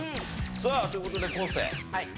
さあという事で昴生。